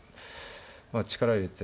まあ力入れて。